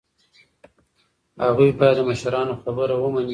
هغوی باید د مشرانو خبره ومني.